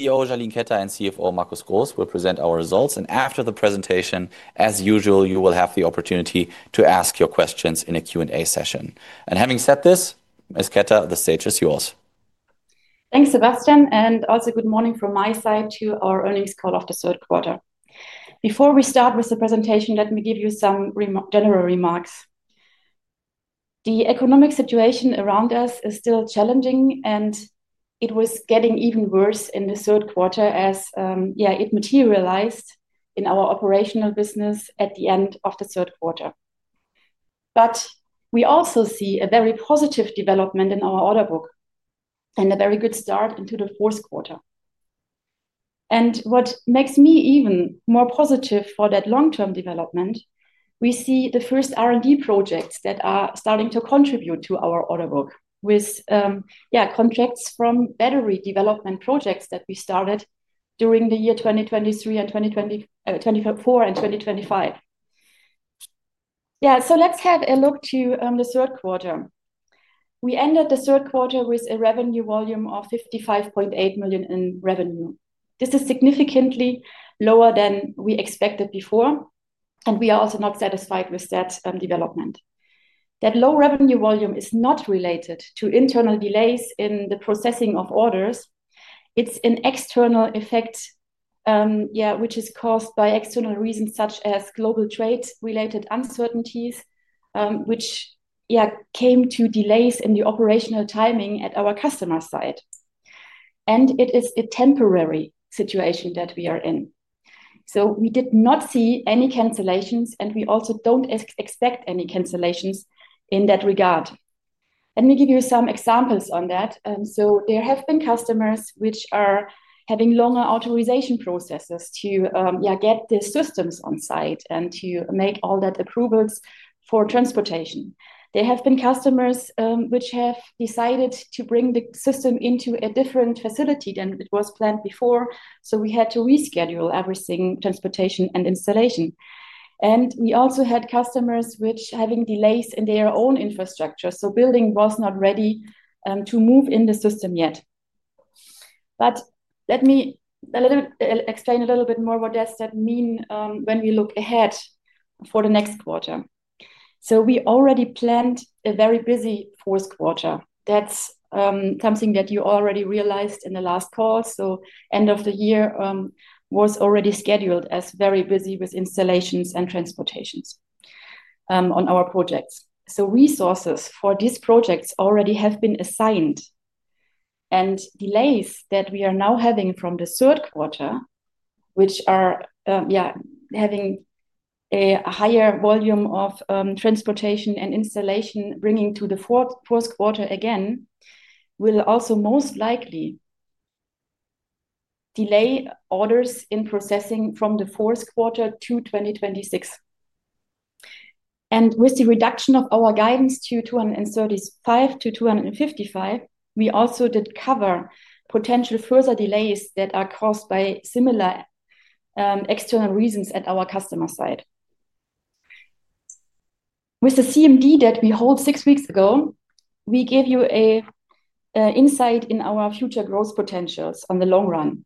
Jalin Ketter and CFO Markus Groß will present our results, and after the presentation, as usual, you will have the opportunity to ask your questions in a Q&A session. Having said this, Ms. Ketter, the stage is yours. Thanks, Sebastian, and also good morning from my side to our earnings call of the third quarter. Before we start with the presentation, let me give you some general remarks. The economic situation around us is still challenging, and it was getting even worse in the third quarter as, yeah, it materialized in our operational business at the end of the third quarter. We also see a very positive development in our order book and a very good start into the fourth quarter. What makes me even more positive for that long-term development, we see the first R&D projects that are starting to contribute to our order book with, yeah, contracts from battery development projects that we started during the year 2023 and 2024 and 2025. Yeah, so let's have a look to the third quarter. We ended the third quarter with a revenue volume of 55.8 million in revenue. This is significantly lower than we expected before, and we are also not satisfied with that development. That low revenue volume is not related to internal delays in the processing of orders. It is an external effect, yeah, which is caused by external reasons such as global trade-related uncertainties, which, yeah, came to delays in the operational timing at our customer side. It is a temporary situation that we are in. We did not see any cancellations, and we also do not expect any cancellations in that regard. Let me give you some examples on that. There have been customers which are having longer authorization processes to, yeah, get the systems on site and to make all that approvals for transportation. There have been customers which have decided to bring the system into a different facility than it was planned before. We had to reschedule everything, transportation and installation. We also had customers which are having delays in their own infrastructure. Building was not ready to move in the system yet. Let me explain a little bit more what does that mean when we look ahead for the next quarter. We already planned a very busy fourth quarter. That is something that you already realized in the last call. End of the year was already scheduled as very busy with installations and transportations on our projects. Resources for these projects already have been assigned. Delays that we are now having from the third quarter, which are, yeah, having a higher volume of transportation and installation bringing to the fourth quarter again, will also most likely delay orders in processing from the fourth quarter to 2026. With the reduction of our guidance to 235 million-255 million, we also did cover potential further delays that are caused by similar external reasons at our customer side. With the CMD that we hold six weeks ago, we give you an insight in our future growth potentials on the long run.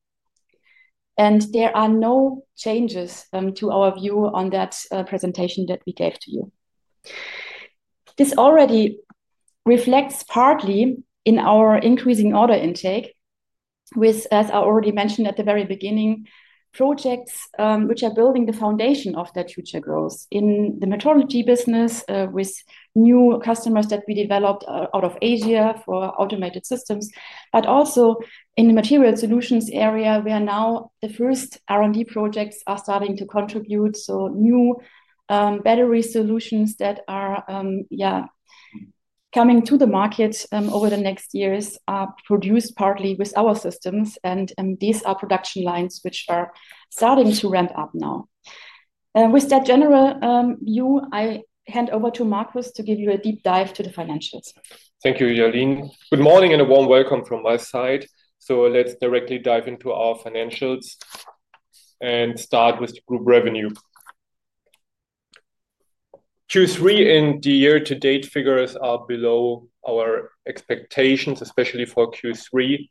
There are no changes to our view on that presentation that we gave to you. This already reflects partly in our increasing order intake with, as I already mentioned at the very beginning, projects which are building the foundation of that future growth in the Metrology business with new customers that we developed out of Asia for automated systems, but also in the Material Solutions area, where now the first R&D projects are starting to contribute. New battery solutions that are, yeah, coming to the market over the next years are produced partly with our systems, and these are production lines which are starting to ramp up now. With that general view, I hand over to Markus to give you a deep dive to the financials. Thank you, Jalin. Good morning and a warm welcome from my side. Let's directly dive into our financials and start with group revenue. Q3 and the year-to-date figures are below our expectations, especially for Q3,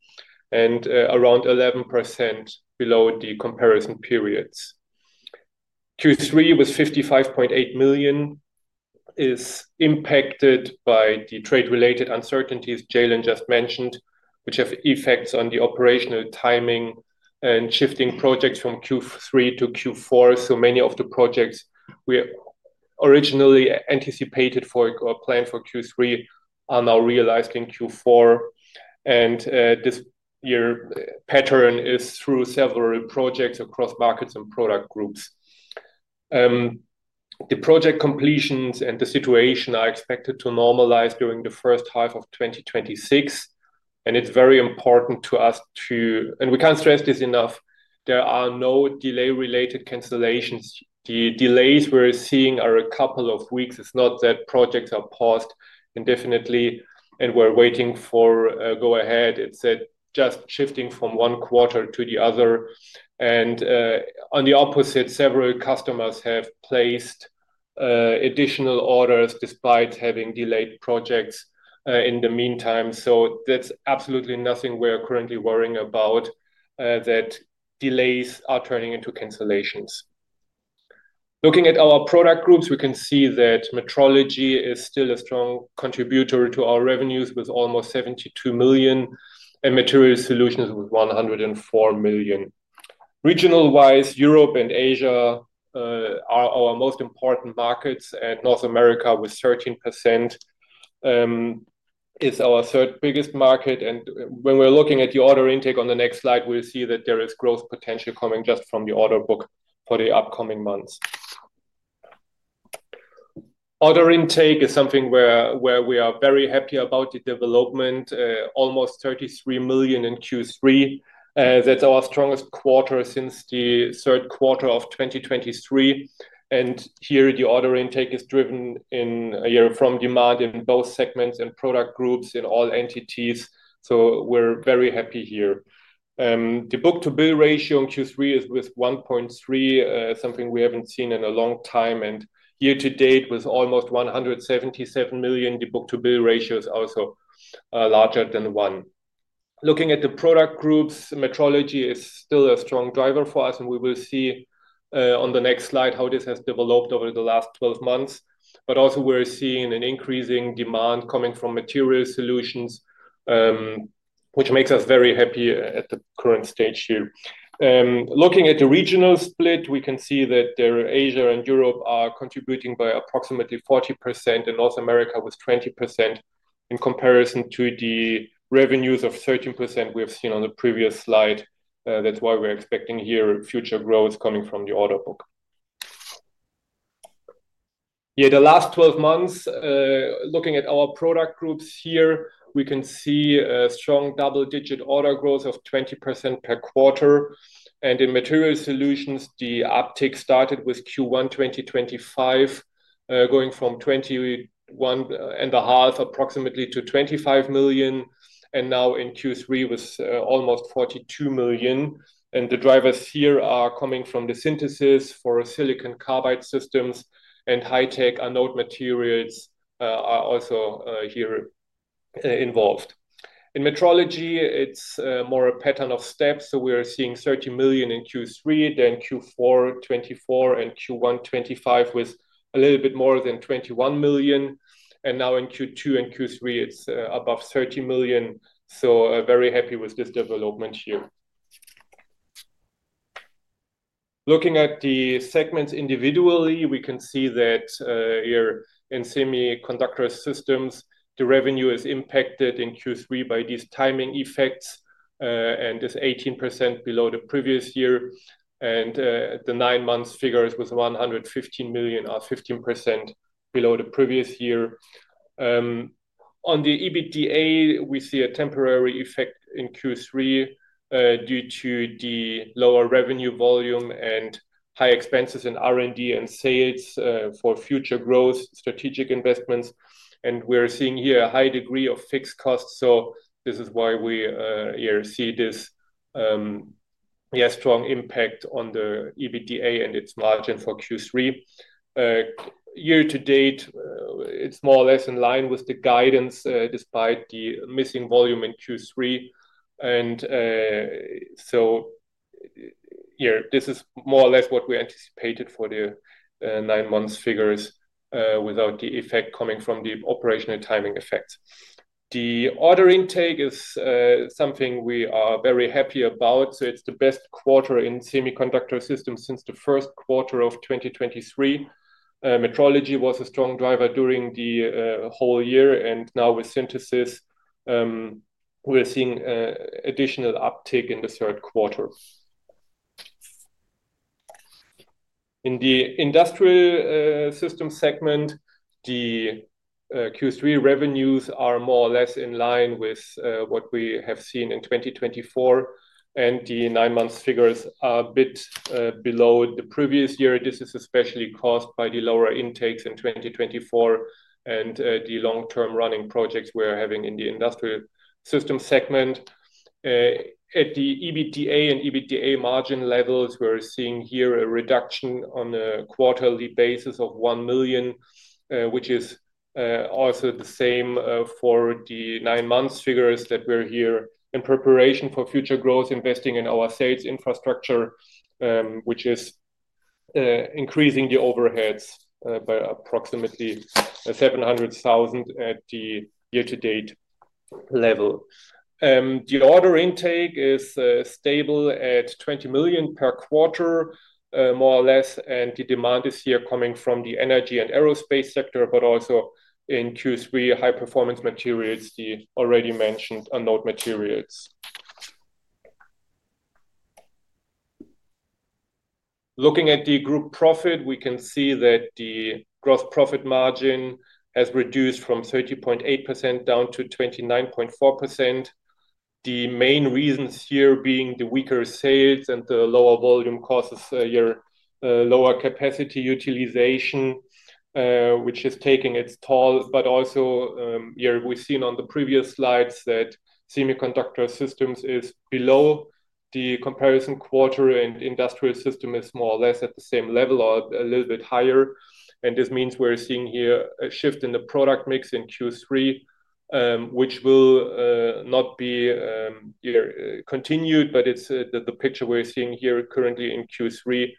and around 11% below the comparison periods. Q3 was 55.8 million, is impacted by the trade-related uncertainties Jalin just mentioned, which have effects on the operational timing and shifting projects from Q3 to Q4. Many of the projects we originally anticipated for or planned for Q3 are now realized in Q4. This year pattern is through several projects across markets and product groups. The project completions and the situation are expected to normalize during the first half of 2026. It is very important to us to, and we can't stress this enough, there are no delay-related cancellations. The delays we're seeing are a couple of weeks. It's not that projects are paused indefinitely and we're waiting for a go-ahead. It's just shifting from one quarter to the other. On the opposite, several customers have placed additional orders despite having delayed projects in the meantime. That's absolutely nothing we're currently worrying about, that delays are turning into cancellations. Looking at our product groups, we can see that Metrology is still a strong contributor to our revenues with almost 72 million and Material Solutions with 104 million. Regional-wise, Europe and Asia are our most important markets, and North America with 13% is our third biggest market. When we're looking at the order intake on the next slide, we'll see that there is growth potential coming just from the order book for the upcoming months. Order intake is something where we are very happy about the development, almost 33 million in Q3. That's our strongest quarter since the third quarter of 2023. Here, the order intake is driven from demand in both segments and product groups in all entities. We are very happy here. The book-to-bill ratio in Q3 is 1.3, something we have not seen in a long time. Year-to-date with almost 177 million, the book-to-bill ratio is also larger than one. Looking at the product groups, Metrology is still a strong driver for us, and we will see on the next slide how this has developed over the last 12 months. We are also seeing an increasing demand coming from Material Solutions, which makes us very happy at the current stage here. Looking at the regional split, we can see that Asia and Europe are contributing by approximately 40%, and North America with 20% in comparison to the revenues of 13% we have seen on the previous slide. That's why we're expecting here future growth coming from the order book. Yeah, the last 12 months, looking at our product groups here, we can see a strong double-digit order growth of 20% per quarter. In Material Solutions, the uptake started with Q1 2025, going from 21.5 million approximately to 25 million, and now in Q3 was almost 42 million. The drivers here are coming from the synthesis for silicon carbide systems, and high-tech anode materials are also here involved. In Metrology, it's more a pattern of steps. We are seeing 30 million in Q3, then Q4 2024, and Q1 2025 with a little bit more than 21 million. Now in Q2 and Q3, it's above 30 million. Very happy with this development here. Looking at the segments individually, we can see that here in semiconductor systems, the revenue is impacted in Q3 by these timing effects and is 18% below the previous year. The nine-month figures with 115 million are 15% below the previous year. On the EBITDA, we see a temporary effect in Q3 due to the lower revenue volume and high expenses in R&D and sales for future growth strategic investments. We are seeing here a high degree of fixed costs. This is why we see this, yeah, strong impact on the EBITDA and its margin for Q3. Year-to-date, it is more or less in line with the guidance despite the missing volume in Q3. Here, this is more or less what we anticipated for the nine-month figures without the effect coming from the operational timing effects. The order intake is something we are very happy about. It's the best quarter in semiconductor systems since the first quarter of 2023. Metrology was a strong driver during the whole year. Now with synthesis, we're seeing additional uptake in the third quarter. In the industrial systems segment, the Q3 revenues are more or less in line with what we have seen in 2024. The nine-month figures are a bit below the previous year. This is especially caused by the lower intakes in 2024 and the long-term running projects we're having in the industrial systems segment. At the EBITDA and EBITDA margin levels, we're seeing here a reduction on a quarterly basis of 1 million, which is also the same for the nine-month figures. We're here in preparation for future growth, investing in our sales infrastructure, which is increasing the overheads by approximately 700,000 at the year-to-date level. The order intake is stable at 20 million per quarter, more or less. The demand is here coming from the energy and aerospace sector, but also in Q3, high-performance materials, the already mentioned anode materials. Looking at the group profit, we can see that the gross profit margin has reduced from 30.8% down to 29.4%. The main reasons here being the weaker sales and the lower volume causes lower capacity utilization, which is taking its toll. Also, yeah, we've seen on the previous slides that semiconductor systems is below the comparison quarter, and industrial system is more or less at the same level or a little bit higher. This means we're seeing here a shift in the product mix in Q3, which will not be continued, but it's the picture we're seeing here currently in Q3.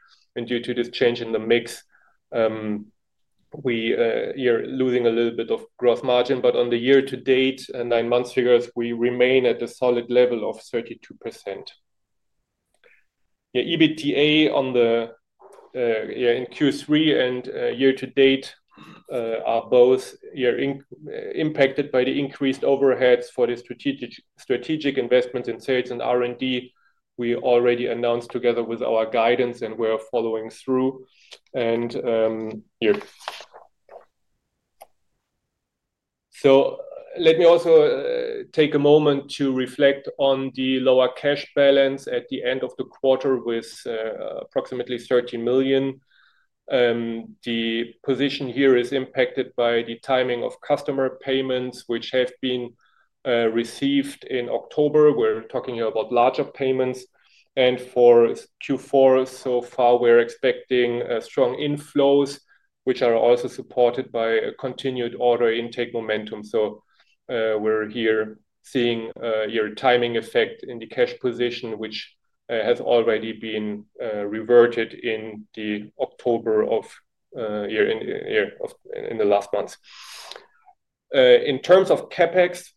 Due to this change in the mix, we are losing a little bit of gross margin. On the year-to-date and nine-month figures, we remain at a solid level of 32%. Yeah, EBITDA in Q3 and year-to-date are both impacted by the increased overheads for the strategic investments in sales and R&D we already announced together with our guidance, and we are following through here. Let me also take a moment to reflect on the lower cash balance at the end of the quarter with approximately 30 million. The position here is impacted by the timing of customer payments, which have been received in October. We are talking here about larger payments. For Q4 so far, we are expecting strong inflows, which are also supported by continued order intake momentum. We are here seeing your timing effect in the cash position, which has already been reverted in October of this year in the last months. In terms of CapEx,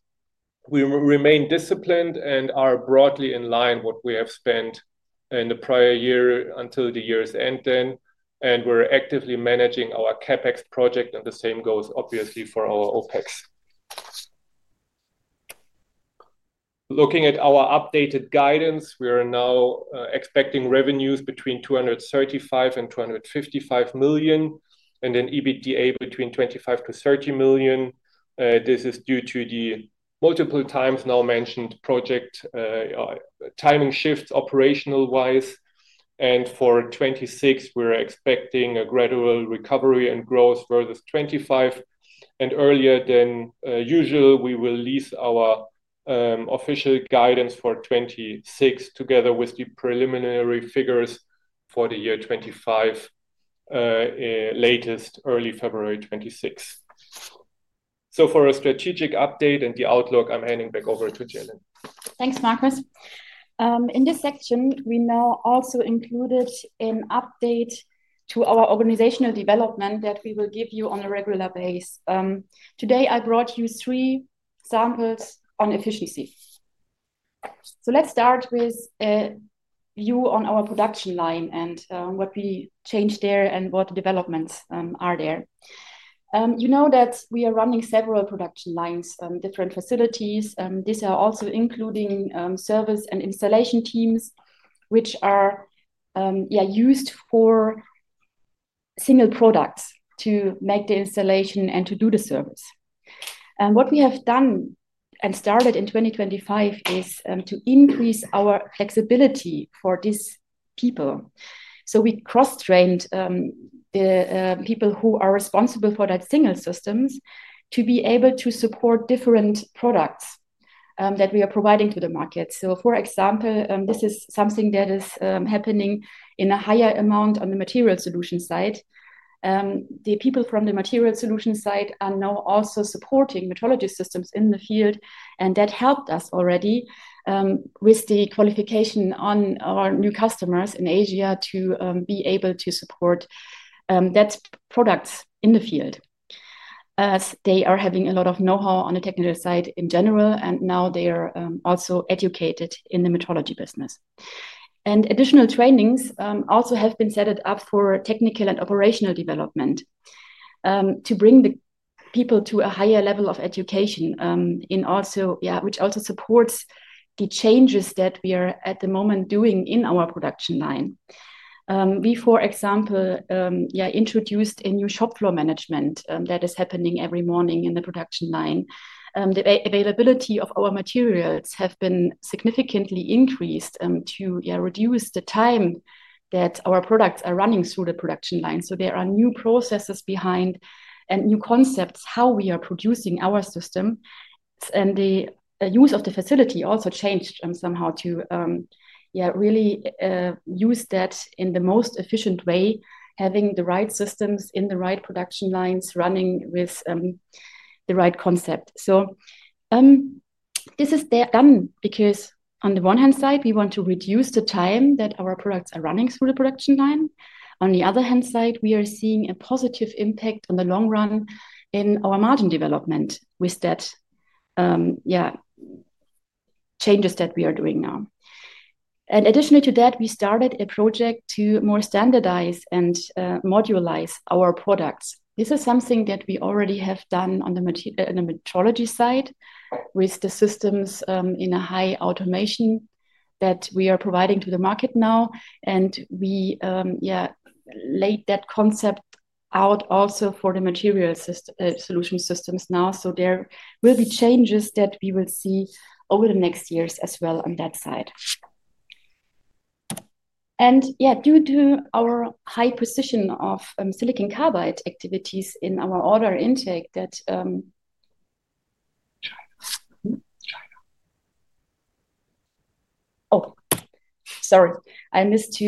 we remain disciplined and are broadly in line with what we have spent in the prior year until the year's end then. We are actively managing our CapEx project, and the same goes, obviously, for our OpEx. Looking at our updated guidance, we are now expecting revenues between 235 million and 255 million, and then EBITDA between 25 million-30 million. This is due to the multiple times now mentioned project timing shifts operational-wise. For 2026, we are expecting a gradual recovery and growth versus 2025. Earlier than usual, we will release our official guidance for 2026 together with the preliminary figures for the year 2025, latest early February 2026. For a strategic update and the outlook, I'm handing back over to Jalin. Thanks, Markus. In this section, we now also included an update to our organizational development that we will give you on a regular base. Today, I brought you three samples on efficiency. Let's start with a view on our production line and what we changed there and what developments are there. You know that we are running several production lines, different facilities. These are also including service and installation teams, which are used for single products to make the installation and to do the service. What we have done and started in 2025 is to increase our flexibility for these people. We cross-trained the people who are responsible for that single systems to be able to support different products that we are providing to the market. For example, this is something that is happening in a higher amount on the material solution side. The people from the material solution side are now also supporting Metrology Systems in the field. That helped us already with the qualification on our new customers in Asia to be able to support that products in the field as they are having a lot of know-how on the technical side in general. Now they are also educated in the Metrology business. Additional trainings also have been set up for technical and operational development to bring the people to a higher level of education in also, yeah, which also supports the changes that we are at the moment doing in our production line. We, for example, yeah, introduced a new shop floor management that is happening every morning in the production line. The availability of our materials has been significantly increased to reduce the time that our products are running through the production line. There are new processes behind and new concepts how we are producing our system. The use of the facility also changed somehow to, yeah, really use that in the most efficient way, having the right systems in the right production lines running with the right concept. This is done because on the one hand side, we want to reduce the time that our products are running through the production line. On the other hand side, we are seeing a positive impact in the long run in our margin development with that, yeah, changes that we are doing now. Additionally to that, we started a project to more standardize and modularize our products. This is something that we already have done on the Metrology side with the systems in a high automation that we are providing to the market now. We, yeah, laid that concept out also for the material solution systems now. There will be changes that we will see over the next years as well on that side. Yeah, due to our high position of silicon carbide activities in our order intake that—oh, sorry, I missed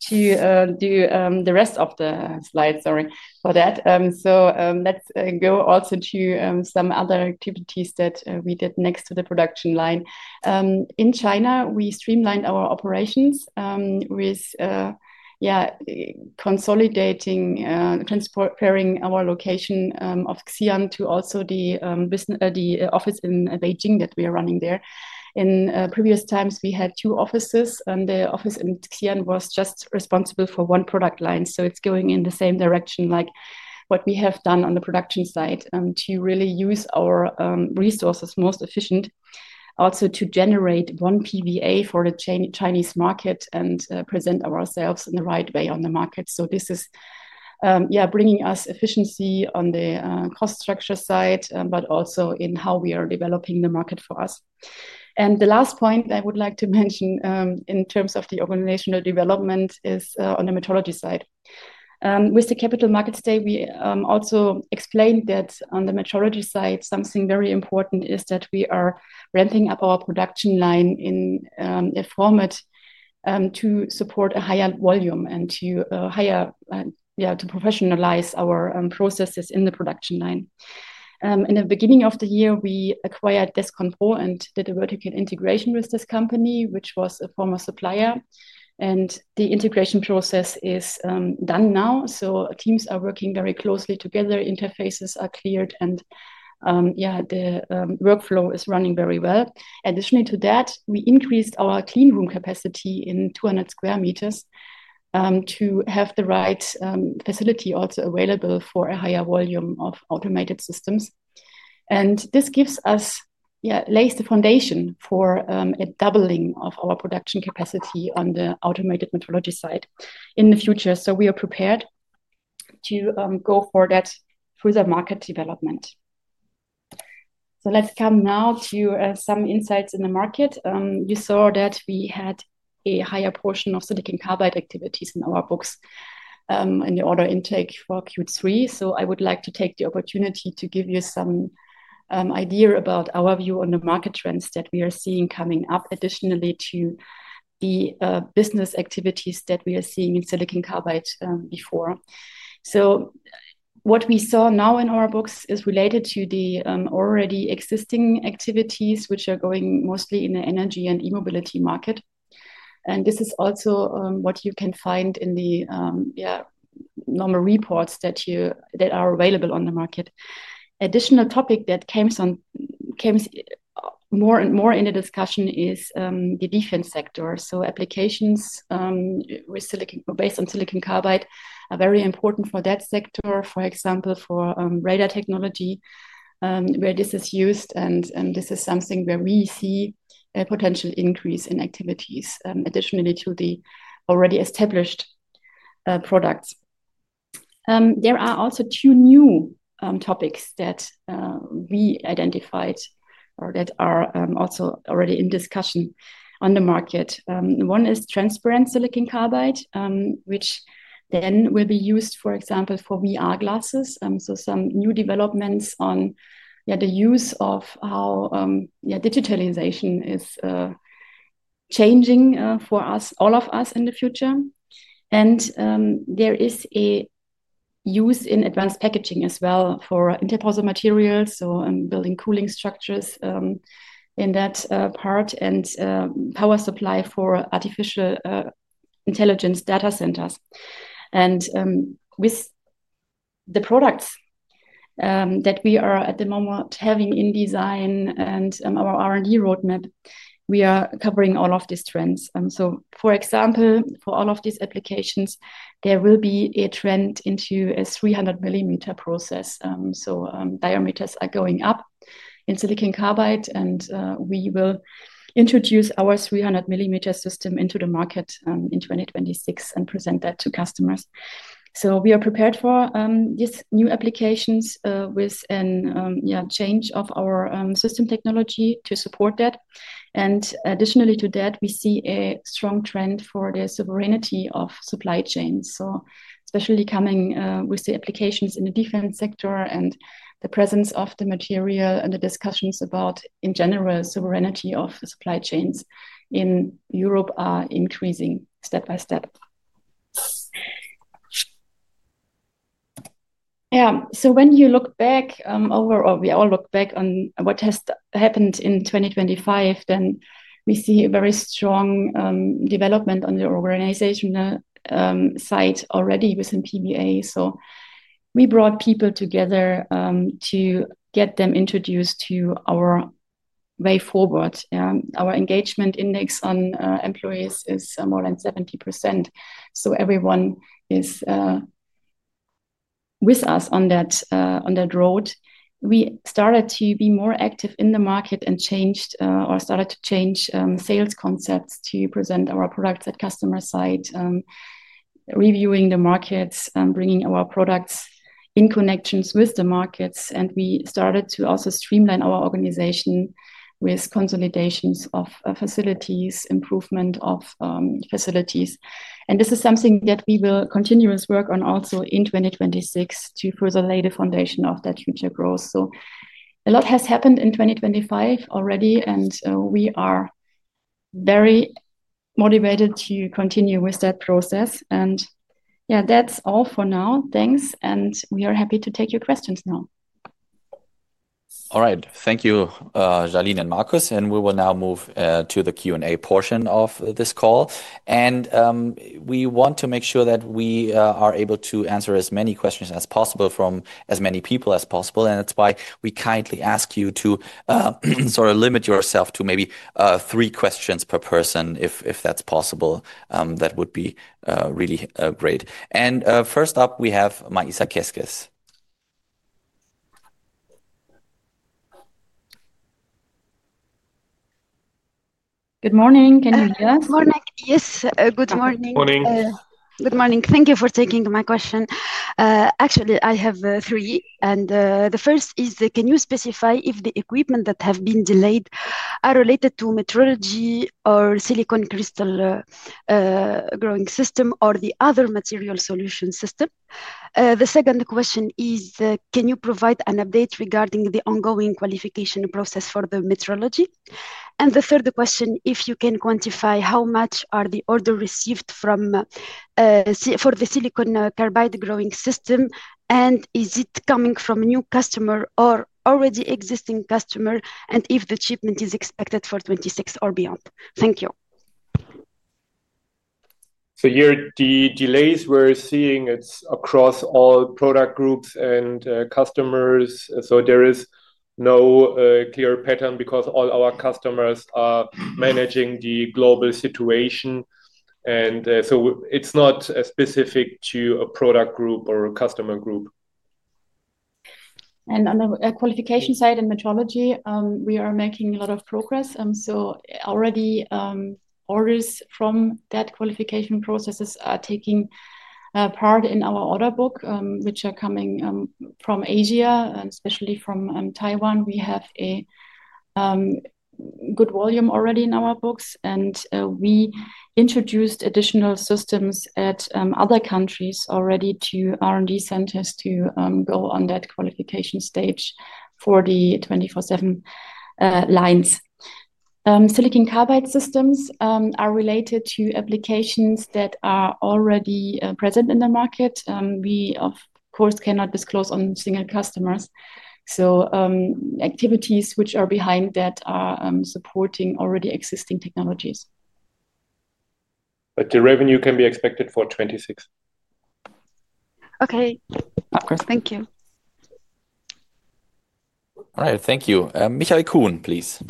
to do the rest of the slides. Sorry for that. Let's go also to some other activities that we did next to the production line. In China, we streamlined our operations with, yeah, consolidating, transferring our location of Xi'an to also the office in Beijing that we are running there. In previous times, we had two offices, and the office in Xi'an was just responsible for one product line. It's going in the same direction like what we have done on the production side to really use our resources most efficiently also to generate one PVA for the Chinese market and present ourselves in the right way on the market. This is bringing us efficiency on the cost structure side, but also in how we are developing the market for us. The last point I would like to mention in terms of the organizational development is on the Metrology side. With the Capital Markets Day today, we also explained that on the Metrology side, something very important is that we are ramping up our production line in a format to support a higher volume and to professionalize our processes in the production line. In the beginning of the year, we acquired Desconpro and did a vertical integration with this company, which was a former supplier. The integration process is done now. Teams are working very closely together. Interfaces are cleared, and yeah, the workflow is running very well. Additionally to that, we increased our clean room capacity by 200 sq m to have the right facility also available for a higher volume of automated systems. This gives us, yeah, lays the foundation for a doubling of our production capacity on the automated Metrology side in the future. We are prepared to go for that further market development. Let's come now to some insights in the market. You saw that we had a higher portion of silicon carbide activities in our books in the order intake for Q3. I would like to take the opportunity to give you some idea about our view on the market trends that we are seeing coming up additionally to the business activities that we are seeing in silicon carbide before. What we saw now in our books is related to the already existing activities, which are going mostly in the energy and e-mobility market. This is also what you can find in the, yeah, normal reports that are available on the market. An additional topic that comes more and more in the discussion is the defense sector. Applications based on silicon carbide are very important for that sector, for example, for radar technology, where this is used. This is something where we see a potential increase in activities additionally to the already established products. There are also two new topics that we identified or that are also already in discussion on the market. One is transparent silicon carbide, which then will be used, for example, for VR glasses. Some new developments on, yeah, the use of how, yeah, digitalization is changing for all of us in the future. There is a use in advanced packaging as well for interposal materials. Building cooling structures in that part and power supply for artificial intelligence data centers. With the products that we are at the moment having in design and our R&D roadmap, we are covering all of these trends. For example, for all of these applications, there will be a trend into a 300 millimeter process. Diameters are going up in silicon carbide, and we will introduce our 300 millimeter system into the market in 2026 and present that to customers. We are prepared for these new applications with a change of our system technology to support that. Additionally to that, we see a strong trend for the sovereignty of supply chains, especially coming with the applications in the defense sector and the presence of the material and the discussions about, in general, sovereignty of supply chains in Europe are increasing step by step. Yeah. When you look back over, or we all look back on what has happened in 2025, we see a very strong development on the organizational side already within PVA. We brought people together to get them introduced to our way forward. Our engagement index on employees is more than 70%. Everyone is with us on that road. We started to be more active in the market and changed or started to change sales concepts to present our products at customer side, reviewing the markets, bringing our products in connections with the markets. We started to also streamline our organization with consolidations of facilities, improvement of facilities. This is something that we will continuously work on also in 2026 to further lay the foundation of that future growth. A lot has happened in 2025 already, and we are very motivated to continue with that process. Yeah, that's all for now. Thanks. We are happy to take your questions now. All right. Thank you, Jalin and Markus. We will now move to the Q&A portion of this call. We want to make sure that we are able to answer as many questions as possible from as many people as possible. That is why we kindly ask you to sort of limit yourself to maybe three questions per person if that is possible. That would be really great. First up, we have Marisa Keskes. Good morning. Can you hear us? Good morning. Yes, good morning. Good morning. Good morning. Thank you for taking my question. Actually, I have three. The first is, can you specify if the equipment that have been delayed are related to Metrology or Silicon Crystal Growing System or the other material solution system? The second question is, can you provide an update regarding the ongoing qualification process for the Metrology? The third question, if you can quantify how much are the orders received for the silicon carbide growing system, and is it coming from a new customer or already existing customer, and if the shipment is expected for 2026 or beyond? Thank you. Yeah, the delays we're seeing, it's across all product groups and customers. There is no clear pattern because all our customers are managing the global situation. It's not specific to a product group or a customer group. On the qualification side in Metrology, we are making a lot of progress. Already, orders from that qualification process are taking part in our order book, which are coming from Asia, especially from Taiwan. We have a good volume already in our books. We introduced additional systems at other countries already to R&D centers to go on that qualification stage for the 24/7 lines. Silicon carbide systems are related to applications that are already present in the market. We, of course, cannot disclose on single customers. Activities which are behind that are supporting already existing technologies. The revenue can be expected for 2026. Okay. Markus, thank you. All right. Thank you. Michael Kuhn, please.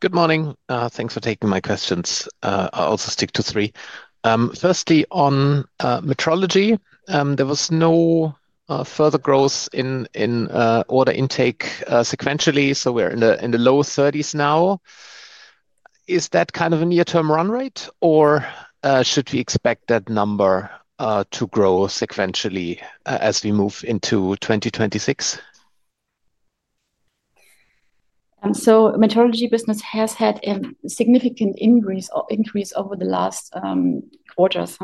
Good morning. Thanks for taking my questions. I'll also stick to three. Firstly, on Metrology. There was no further growth in order intake sequentially. So we're in the low 30s now. Is that kind of a near-term run rate, or should we expect that number to grow sequentially as we move into 2026? The Metrology business has had a significant increase over the last quarters.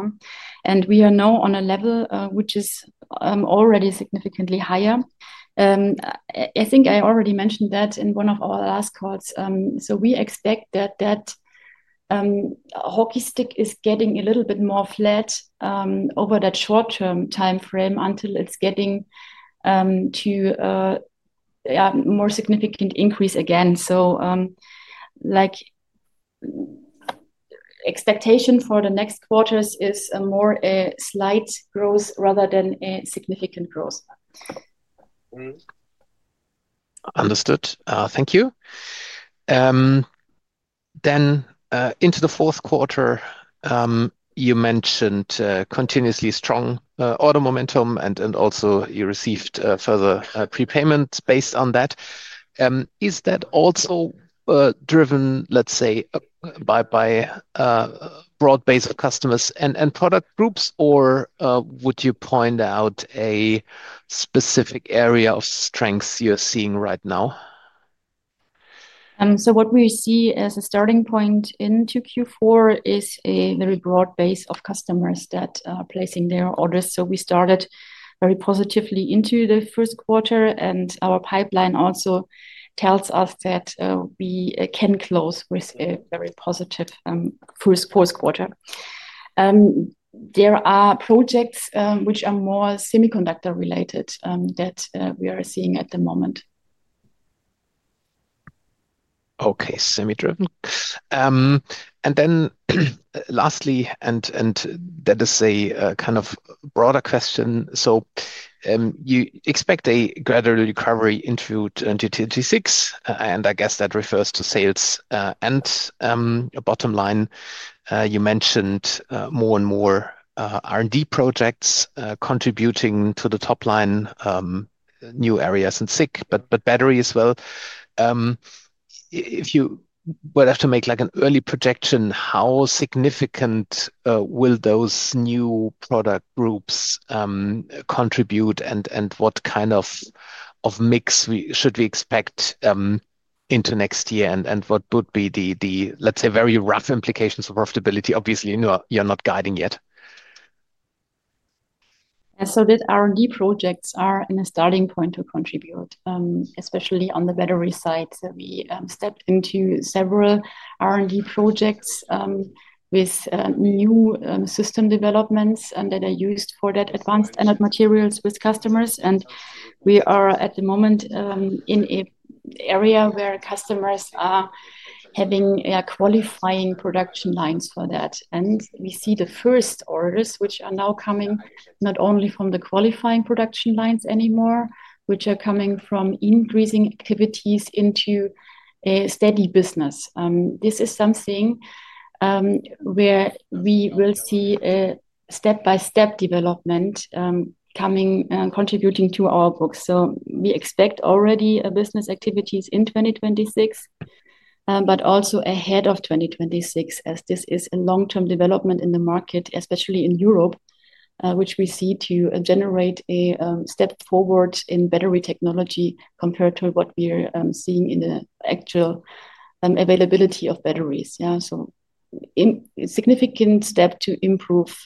We are now on a level which is already significantly higher. I think I already mentioned that in one of our last calls. We expect that that hockey stick is getting a little bit more flat over that short-term timeframe until it is getting to a more significant increase again. Expectation for the next quarters is more a slight growth rather than a significant growth. Understood. Thank you. Into the fourth quarter, you mentioned continuously strong order momentum, and also you received further prepayments based on that. Is that also driven, let's say, by a broad base of customers and product groups, or would you point out a specific area of strengths you're seeing right now? What we see as a starting point into Q4 is a very broad base of customers that are placing their orders. We started very positively into the first quarter, and our pipeline also tells us that we can close with a very positive first quarter. There are projects which are more semiconductor-related that we are seeing at the moment. Okay. Semi-driven. Lastly, and that is a kind of broader question. You expect a gradual recovery into 2026. I guess that refers to sales. Bottom line, you mentioned more and more R&D projects contributing to the top line, new areas in SiC, but battery as well. If you would have to make an early projection, how significant will those new product groups contribute, and what kind of mix should we expect into next year, and what would be the, let's say, very rough implications of profitability? Obviously, you're not guiding yet. Yeah. The R&D projects are in a starting point to contribute, especially on the battery side. We stepped into several R&D projects with new system developments that are used for that advanced added materials with customers. We are at the moment in an area where customers are having qualifying production lines for that. We see the first orders, which are now coming not only from the qualifying production lines anymore, which are coming from increasing activities into a steady business. This is something where we will see a step-by-step development coming and contributing to our books. We expect already business activities in 2026, but also ahead of 2026, as this is a long-term development in the market, especially in Europe, which we see to generate a step forward in battery technology compared to what we are seeing in the actual availability of batteries. Yeah. A significant step to improve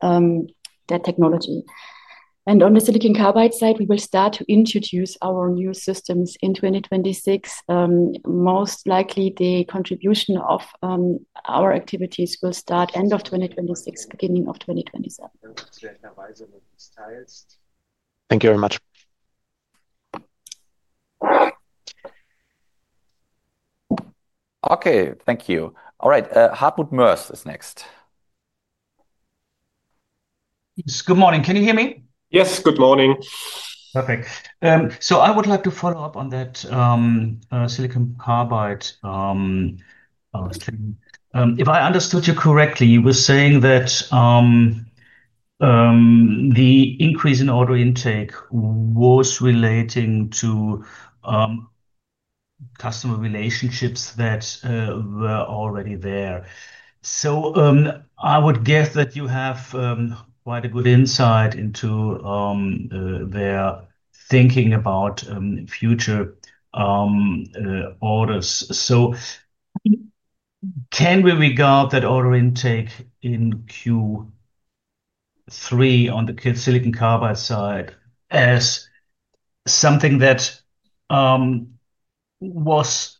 that technology. On the silicon carbide side, we will start to introduce our new systems in 2026. Most likely, the contribution of our activities will start end of 2026, beginning of 2027. Thank you very much. Okay. Thank you. All right. Hartmut Merz is next. Good morning. Can you hear me? Yes. Good morning. Perfect. I would like to follow up on that silicon carbide thing. If I understood you correctly, you were saying that the increase in order intake was relating to customer relationships that were already there. I would guess that you have quite a good insight into their thinking about future orders. Can we regard that order intake in Q3 on the silicon carbide side as something that was,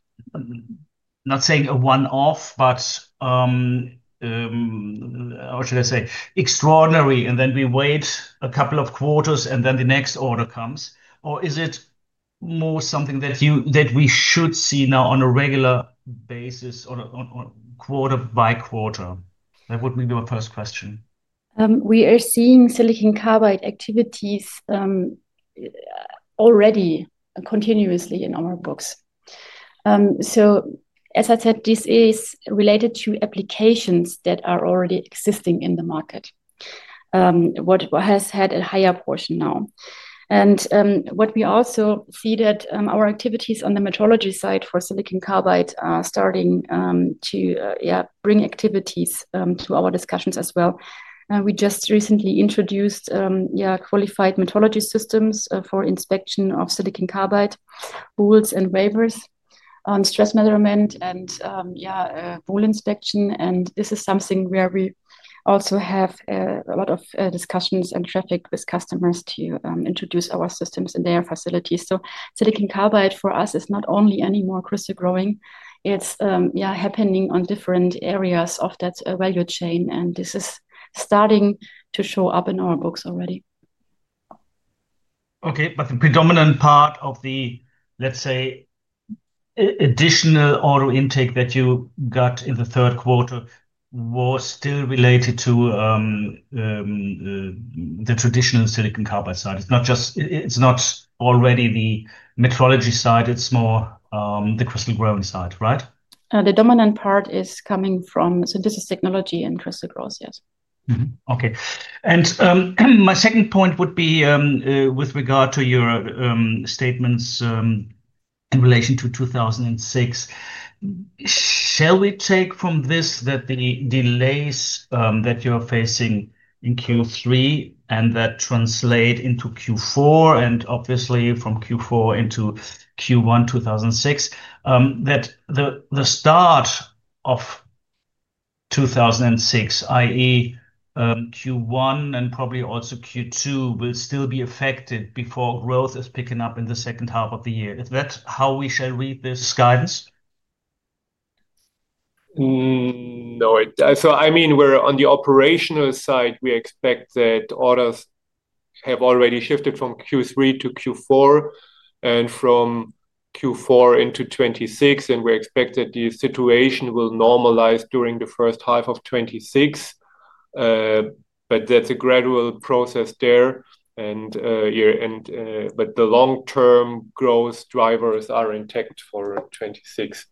not saying a one-off, but, how should I say, extraordinary, and then we wait a couple of quarters, and then the next order comes? Or is it more something that we should see now on a regular basis or quarter-by-quarter? That would be my first question. We are seeing silicon carbide activities already continuously in our books. As I said, this is related to applications that are already existing in the market, which has had a higher portion now. What we also see is that our activities on the Metrology side for silicon carbide are starting to bring activities to our discussions as well. We just recently introduced qualified Metrology Systems for inspection of silicon carbide pools and wafers on stress measurement and pool inspection. This is something where we also have a lot of discussions and traffic with customers to introduce our systems in their facilities. Silicon carbide for us is not only anymore crystal growing. It is happening in different areas of that value chain. This is starting to show up in our books already. Okay. But the predominant part of the, let's say, additional order intake that you got in the third quarter was still related to the traditional silicon carbide side. It's not already the Metrology side. It's more the crystal growing side, right? The dominant part is coming from synthesis technology and crystal growth, yes. Okay. My second point would be with regard to your statements in relation to 2026. Shall we take from this that the delays that you're facing in Q3 and that translate into Q4, and obviously from Q4 into Q1 2026, that the start of 2026, i.e., Q1 and probably also Q2, will still be affected before growth is picking up in the second half of the year? Is that how we shall read this guidance? No. So I mean, on the operational side, we expect that orders have already shifted from Q3 to Q4 and from Q4 into 2026. And we expect that the situation will normalize during the first half of 2026. But that's a gradual process there. But the long-term growth drivers are intact for 2026.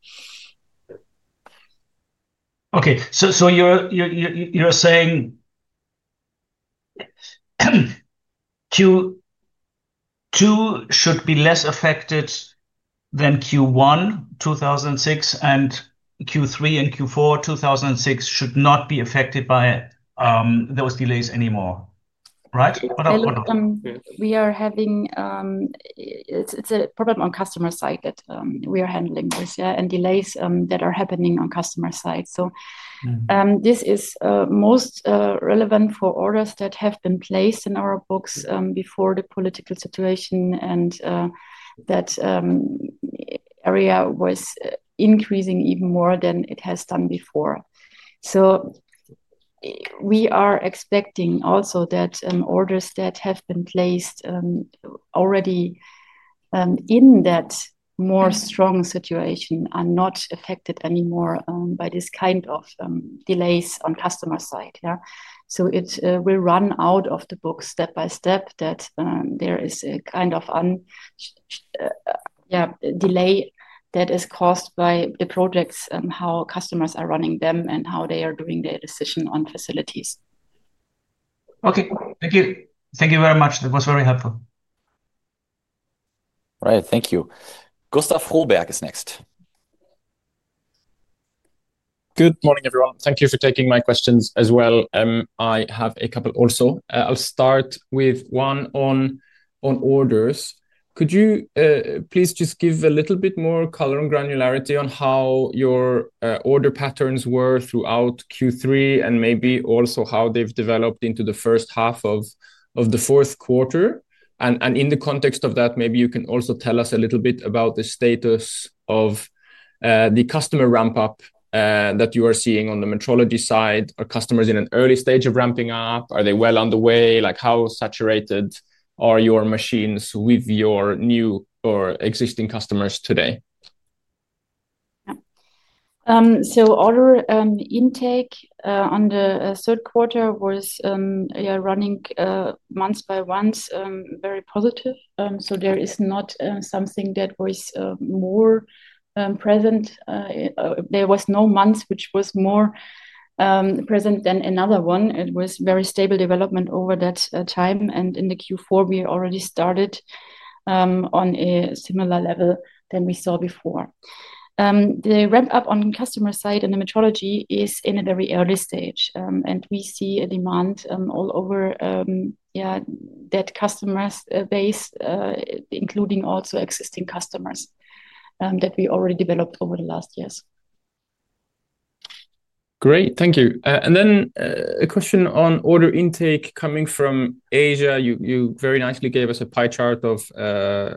Okay. So you're saying Q2 should be less affected than Q1 2006, and Q3 and Q4 2006 should not be affected by those delays anymore, right? We are having, it's a problem on customer side that we are handling this, yeah, and delays that are happening on customer side. This is most relevant for orders that have been placed in our books before the political situation, and that area was increasing even more than it has done before. We are expecting also that orders that have been placed already in that more strong situation are not affected anymore by this kind of delays on customer side. Yeah. It will run out of the books step by step that there is a kind of delay that is caused by the projects, how customers are running them, and how they are doing their decision on facilities. Okay. Thank you. Thank you very much. That was very helpful. All right. Thank you. Gustav Frohberg is next. Good morning, everyone. Thank you for taking my questions as well. I have a couple also. I'll start with one on orders. Could you please just give a little bit more color and granularity on how your order patterns were throughout Q3 and maybe also how they've developed into the first half of the fourth quarter? In the context of that, maybe you can also tell us a little bit about the status of the customer ramp-up that you are seeing on the Metrology side. Are customers in an early stage of ramping up? Are they well on the way? How saturated are your machines with your new or existing customers today? Yeah. Order intake on the third quarter was running month by month very positive. There is not something that was more present. There was no month which was more present than another one. It was very stable development over that time. In the Q4, we already started on a similar level than we saw before. The ramp-up on customer side in the Metrology is in a very early stage. We see a demand all over that customer base, including also existing customers that we already developed over the last years. Great. Thank you. A question on order intake coming from Asia. You very nicely gave us a pie chart of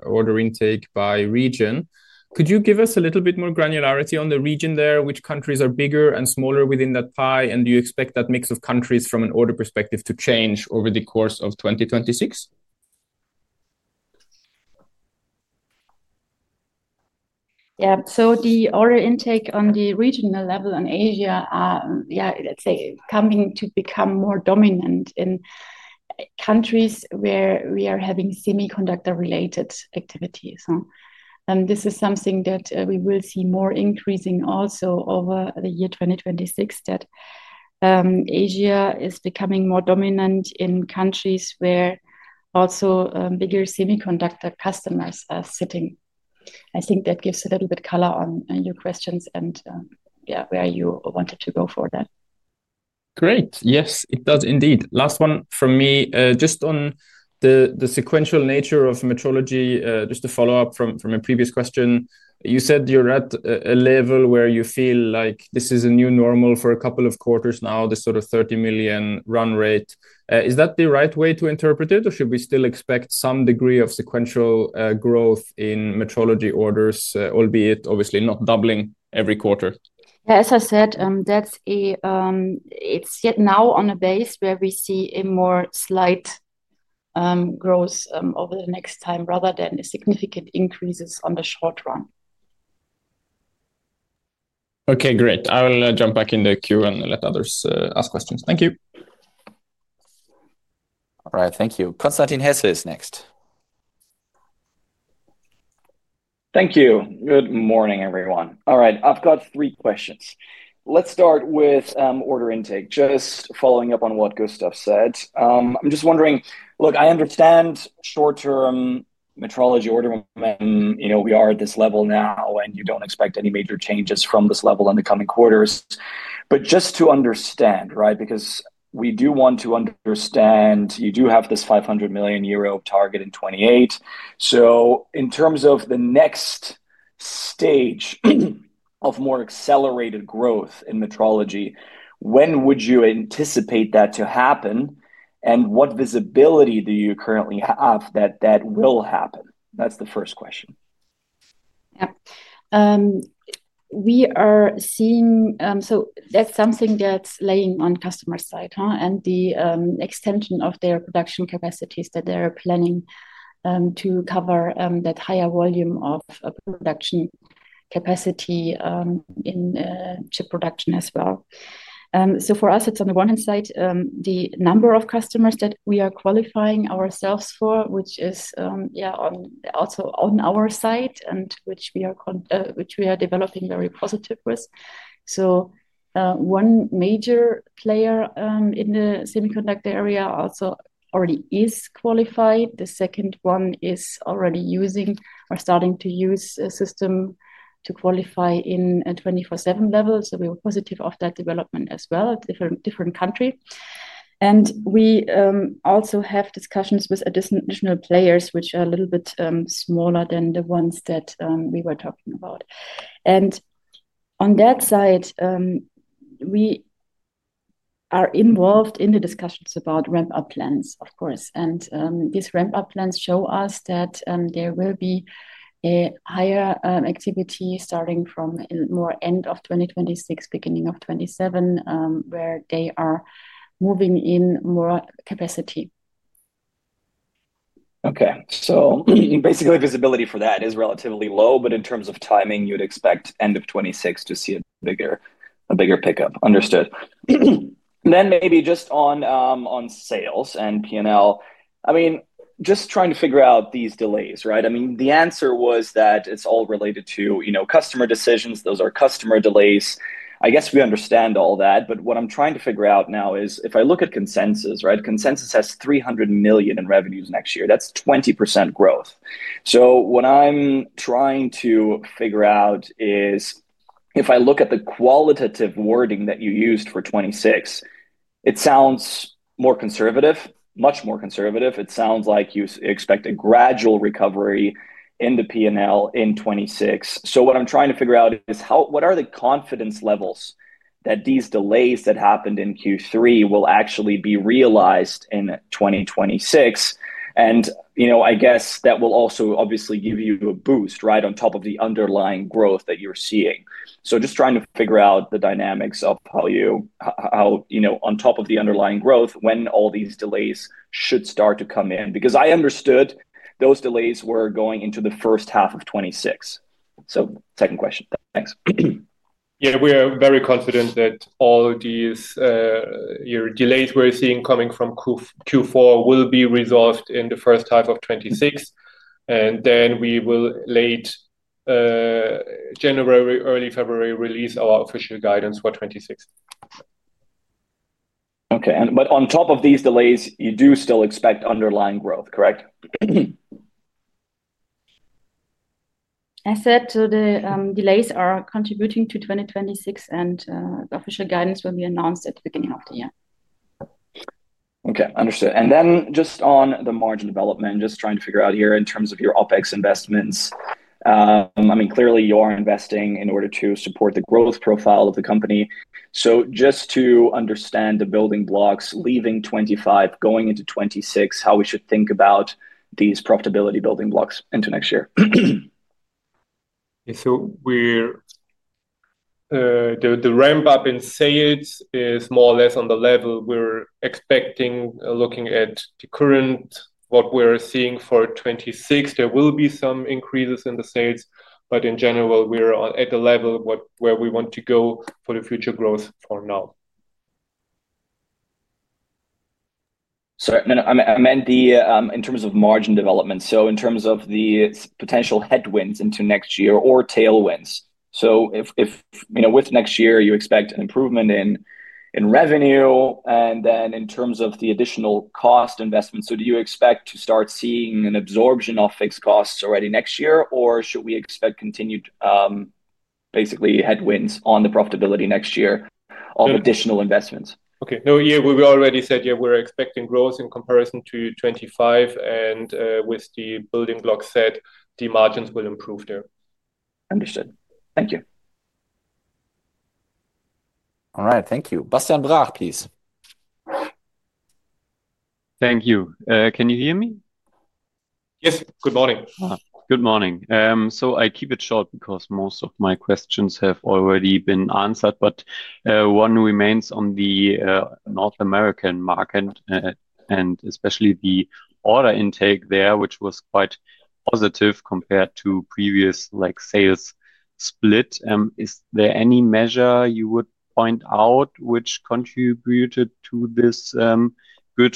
order intake by region. Could you give us a little bit more granularity on the region there, which countries are bigger and smaller within that pie? Do you expect that mix of countries from an order perspective to change over the course of 2026? Yeah. The order intake on the regional level in Asia is, yeah, let's say, coming to become more dominant in countries where we are having semiconductor-related activity. This is something that we will see more increasing also over the year 2026, that Asia is becoming more dominant in countries where also bigger semiconductor customers are sitting. I think that gives a little bit color on your questions and where you wanted to go for that. Great. Yes, it does indeed. Last one from me. Just on the sequential nature of Metrology, just a follow-up from a previous question. You said you're at a level where you feel like this is a new normal for a couple of quarters now, the sort of 30 million run rate. Is that the right way to interpret it, or should we still expect some degree of sequential growth in Metrology orders, albeit obviously not doubling every quarter? Yeah. As I said, it's now on a base where we see a more slight growth over the next time rather than significant increases on the short run. Okay. Great. I will jump back in the queue and let others ask questions. Thank you. All right. Thank you. Konstantin Herzl is next. Thank you. Good morning, everyone. All right. I've got three questions. Let's start with order intake, just following up on what Gustav said. I'm just wondering, look, I understand short-term Metrology order movement. We are at this level now, and you do not expect any major changes from this level in the coming quarters. Just to understand, right, because we do want to understand you do have this 500 million euro target in 2028. In terms of the next stage of more accelerated growth in Metrology, when would you anticipate that to happen? What visibility do you currently have that that will happen? That is the first question. Yeah. That's something that's laying on customer side and the extension of their production capacities that they're planning to cover that higher volume of production capacity in chip production as well. For us, it's on the one hand side, the number of customers that we are qualifying ourselves for, which is also on our side and which we are developing very positive with. One major player in the semiconductor area also already is qualified. The second one is already using or starting to use a system to qualify in a 24/7 level. We were positive of that development as well, different country. We also have discussions with additional players, which are a little bit smaller than the ones that we were talking about. On that side, we are involved in the discussions about ramp-up plans, of course. These ramp-up plans show us that there will be a higher activity starting from more end of 2026, beginning of 2027, where they are moving in more capacity. Okay. So basically, visibility for that is relatively low. In terms of timing, you'd expect end of 2026 to see a bigger pickup. Understood. Maybe just on sales and P&L, I mean, just trying to figure out these delays, right? I mean, the answer was that it's all related to customer decisions. Those are customer delays. I guess we understand all that. What I'm trying to figure out now is if I look at consensus, right, consensus has 300 million in revenues next year. That's 20% growth. What I'm trying to figure out is if I look at the qualitative wording that you used for 2026, it sounds more conservative, much more conservative. It sounds like you expect a gradual recovery in the P&L in 2026. What I'm trying to figure out is what are the confidence levels that these delays that happened in Q3 will actually be realized in 2026? I guess that will also obviously give you a boost, right, on top of the underlying growth that you're seeing. Just trying to figure out the dynamics of how, on top of the underlying growth, when all these delays should start to come in. Because I understood those delays were going into the first half of 2026. Second question. Thanks. Yeah. We are very confident that all these delays we're seeing coming from Q4 will be resolved in the first half of 2026. We will, late January, early February, release our official guidance for 2026. Okay. On top of these delays, you do still expect underlying growth, correct? I said the delays are contributing to 2026, and the official guidance will be announced at the beginning of the year. Okay. Understood. And then just on the margin development, just trying to figure out here in terms of your OpEx investments. I mean, clearly, you're investing in order to support the growth profile of the company. So just to understand the building blocks leaving 2025, going into 2026, how we should think about these profitability building blocks into next year. The ramp-up in sales is more or less on the level we're expecting, looking at the current what we're seeing for 2026. There will be some increases in the sales. In general, we're at the level where we want to go for the future growth for now. Sorry. I meant in terms of margin development. In terms of the potential headwinds into next year or tailwinds. With next year, you expect an improvement in revenue. In terms of the additional cost investments, do you expect to start seeing an absorption of fixed costs already next year, or should we expect continued basically headwinds on the profitability next year of additional investments? Okay. No, yeah, we already said, yeah, we're expecting growth in comparison to 2025. And with the building block set, the margins will improve there. Understood. Thank you. All right. Thank you. Bastian Brag, please. Thank you. Can you hear me? Yes. Good morning. Good morning. I keep it short because most of my questions have already been answered. One remains on the North American market and especially the order intake there, which was quite positive compared to previous sales split. Is there any measure you would point out which contributed to this good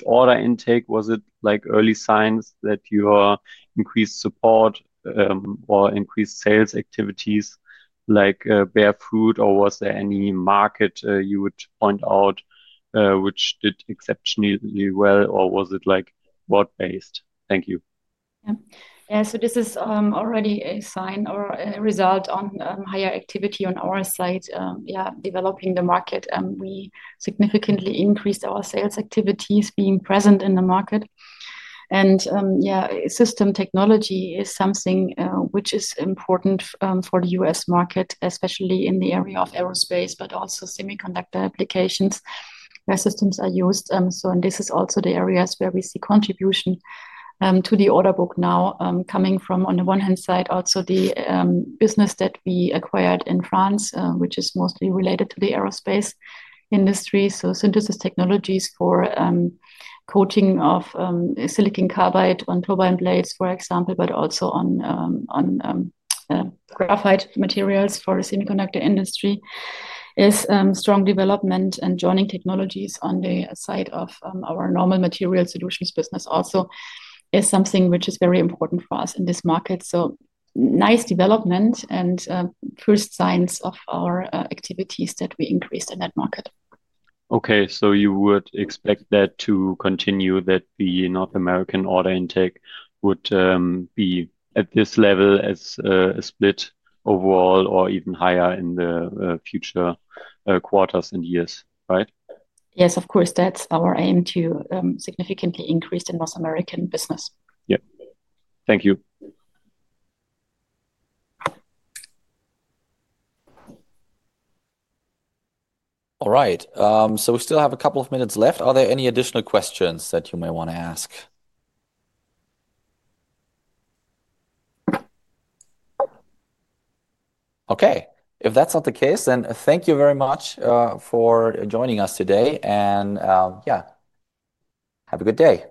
order intake? Was it early signs that your increased support or increased sales activities like barefoot, or was there any market you would point out which did exceptionally well, or was it broad-based? Thank you. Yeah. Yeah. This is already a sign or a result of higher activity on our side. Developing the market, we significantly increased our sales activities, being present in the market. System technology is something which is important for the US market, especially in the area of aerospace, but also semiconductor applications where systems are used. These are also the areas where we see contribution to the order book now coming from, on the one hand, also the business that we acquired in France, which is mostly related to the aerospace industry. Synthesis technologies for coating of silicon carbide on turbine blades, for example, but also on graphite materials for the semiconductor industry is strong development, and joining technologies on the side of our normal Material Solutions business also is something which is very important for us in this market. Nice development and first signs of our activities that we increased in that market. Okay. So you would expect that to continue, that the North American order intake would be at this level as a split overall or even higher in the future quarters and years, right? Yes, of course. That's our aim to significantly increase the North American business. Yeah. Thank you. All right. We still have a couple of minutes left. Are there any additional questions that you may want to ask? Okay. If that's not the case, thank you very much for joining us today. Yeah, have a good day.